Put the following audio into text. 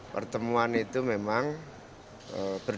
pertemuan itu memang berbeda